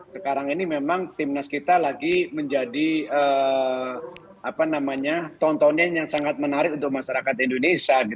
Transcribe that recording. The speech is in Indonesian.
sekarang ini memang timnas kita lagi menjadi tontonan yang sangat menarik untuk masyarakat indonesia